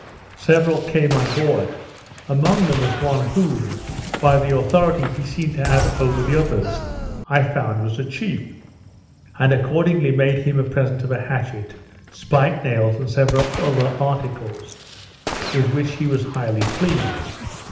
Several came on board; among them was one whom, by the authority he seemed to have over the others, I found was a chief, and accordingly made him a present of a hatchet, spike nails, and several other articles, with which he was highly pleased.